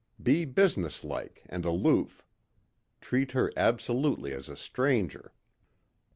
Be businesslike and aloof. Treat her absolutely as a stranger."